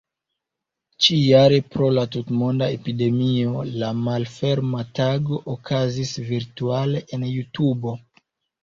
Ĉi-jare pro la tut-monda epidemio, la Malferma Tago okazis virtuale en Jutubo.